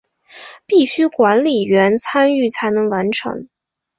必须管理员参与才能完成。